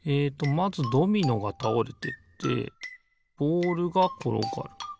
まずドミノがたおれてってボールがころがる。